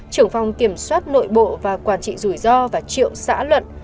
trưởng phòng kiểm soát nội bộ và quản trị rủi ro và triệu xã luận